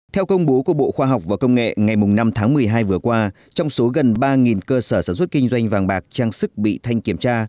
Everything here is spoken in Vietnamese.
theo công bố của bộ khoa học và công nghệ ngày năm tháng một mươi hai vừa qua trong số gần ba cơ sở sản xuất kinh doanh vàng bạc trang sức bị thanh kiểm tra